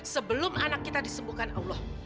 sebelum anak kita disembuhkan allah